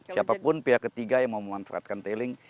siapapun pihak ketiga yang mau memanfaatkan tailing